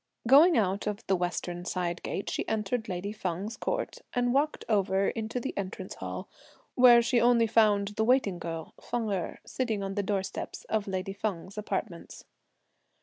Going out of the western side gate, she entered lady Feng's court, and walked over into the Entrance Hall, where she only found the waiting girl Feng Erh, sitting on the doorsteps of lady Feng's apartments.